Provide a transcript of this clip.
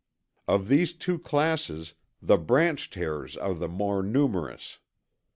Of these two classes the branched hairs are the more numerous.